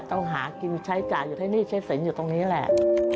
ต้องหากินใช้จ่ายอยู่ที่หนี้ใช้สินอยู่ตรงนี้แหละ